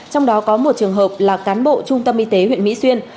trong đó có một trường hợp là cán bộ trung tâm y tế huyện mỹ xuyên